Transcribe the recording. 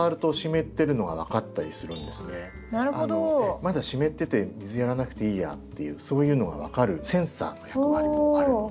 まだ湿ってて水やらなくていいやっていうそういうのが分かるセンサーの役割もあるので。